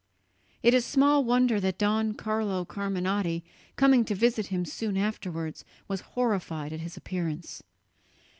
It is small wonder that Don Carlo Carminati, coming to visit him soon afterwards, was horrified at his appearance.